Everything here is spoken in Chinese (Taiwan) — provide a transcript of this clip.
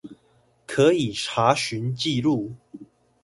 可以查詢記錄